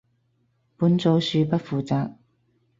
本組恕不負責